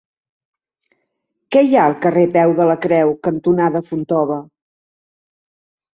Què hi ha al carrer Peu de la Creu cantonada Fontova?